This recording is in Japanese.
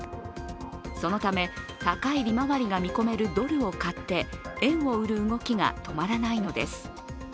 そのため、高い利回りが見込めるドルを買って円を売る動きが止まらないのです。